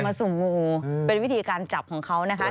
สุ่มงูเป็นวิธีการจับของเขานะคะ